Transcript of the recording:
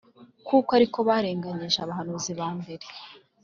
kuko ari ko barenganyije abahanuzi ba mbere.